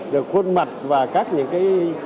được khuôn mặt và các những cái